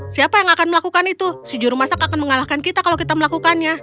siapa yang akan melakukan itu si juru masak akan mengalahkan kita kalau kita melakukannya